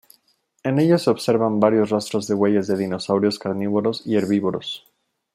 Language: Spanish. En ellos se observan varios rastros de huellas de dinosaurios carnívoros y herbívoros.